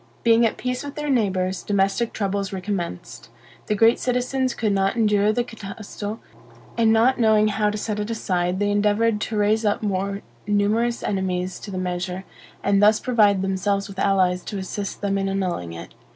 Being at peace with their neighbors, domestic troubles recommenced. The great citizens could not endure the Catasto, and not knowing how to set it aside, they endeavored to raise up more numerous enemies to the measure, and thus provide themselves with allies to assist them in annulling it.